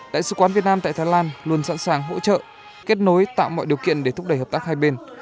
đại sứ quán việt nam tại thái lan luôn sẵn sàng hỗ trợ kết nối tạo mọi điều kiện để thúc đẩy hợp tác hai bên